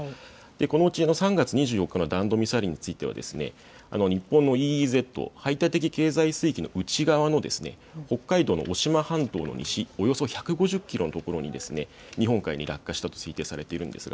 このうちの３月２４日の弾道ミサイルについては日本のＥＥＺ・排他的経済水域の内側の北海道の渡島半島の西およそ１５０キロのところに、日本海に落下したと推定されています。